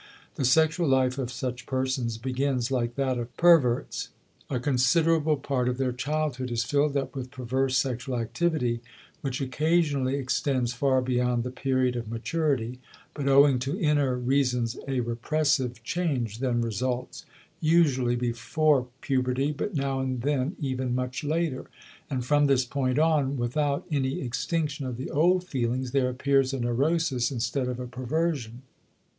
The sexual life of such persons begins like that of perverts, a considerable part of their childhood is filled up with perverse sexual activity which occasionally extends far beyond the period of maturity, but owing to inner reasons a repressive change then results usually before puberty, but now and then even much later and from this point on without any extinction of the old feelings there appears a neurosis instead of a perversion.